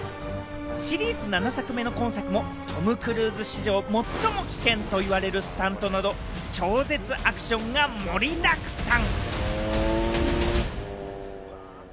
シリーズ７作目の今作もトム・クルーズ史上最も危険と言われるスタントなど、超絶アクションが盛りだくさん。